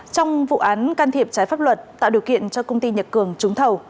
trong vụ án can thiệp trái pháp luật tạo điều kiện cho công ty nhật cường trúng thầu